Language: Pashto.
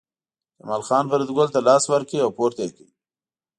جمال خان فریدګل ته لاس ورکړ او پورته یې کړ